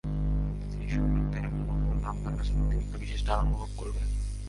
এতে শিশুদের মনে বাংলা ভাষার প্রতি একটা বিশেষ টান অনুভব করবে।